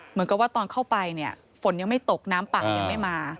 เหมือนกับว่าตอนเข้าไปเนี่ยฝนยังไม่ตกน้ำป่ายังไม่มา